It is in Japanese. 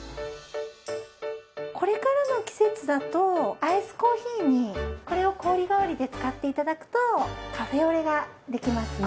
これからの季節だとアイスコーヒーにこれを氷代わりで使って頂くとカフェオレができますね。